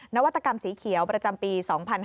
นวัตกรรมสีเขียวประจำปี๒๕๕๙